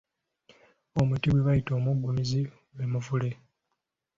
Omuti gwe bayita omuggumiza gwe Muvule.